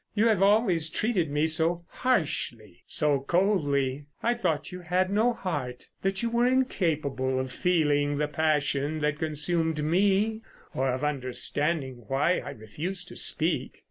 You have always treated me so harshly, so coldly, I thought you had no heart, that you were incapable of feeling the passion that consumed me, or of understanding why I refused to speak.